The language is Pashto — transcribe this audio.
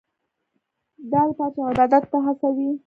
دا لپاره چې عبادت ته هڅوي.